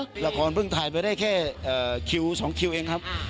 แล้วเราก่อนปึ่งถ่ายไปได้แค่คิวสองคิวเองครับ